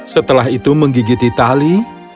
setelah itu menggigiti tali